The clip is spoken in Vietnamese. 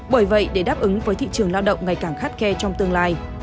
bởi vậy để đáp ứng với thị trường lao động ngày càng khắt khe trong tương lai